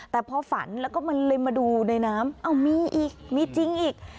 แต่พอฝันแล้วก็มันเลยมาดูในน้ำเอ้ามีอีกมีจริงอีก